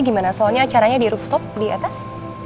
gimana soalnya acaranya di rooftop di atas